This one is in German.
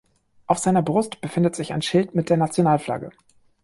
Auf seiner Brust befindet sich ein Schild mit der Nationalflagge.